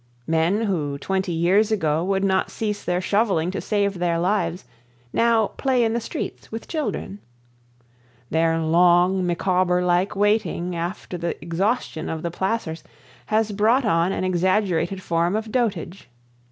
Men who, twenty years ago, would not cease their shoveling to save their lives, now play in the streets with children. Their long, Micawber like waiting after the exhaustion of the placers has brought on an exaggerated form of dotage.